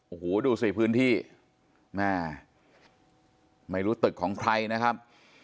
โอ้โหดูสิพื้นที่แม่ไม่รู้ตึกของใครนะครับ